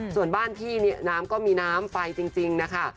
ส่วนบ้านพี่เนี่ยน้ำก็มีน้ำไฟจริงนะคะ